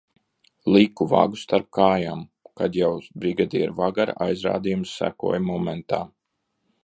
Liku vagu starp kājām, kad jau brigadiera-vagara aizrādījums sekoja momentā.